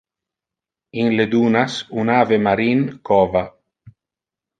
In le dunas un ave marin cova.